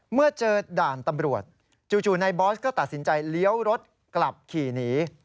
เมื่อเจอด่านตำรวจจู่นายบอสก็ตัดสินใจเลี้ยวรถกลับขี่หนี